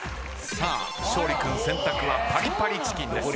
さあ勝利君選択はパリパリチキンです。